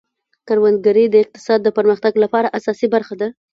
کروندګري د اقتصاد د پرمختګ لپاره اساسي برخه ده.